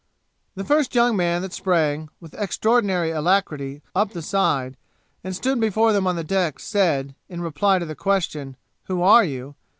The first young man that sprang, with extraordinary alacrity, up the side, and stood before them on the deck, said, in reply to the question, 'Who are you?'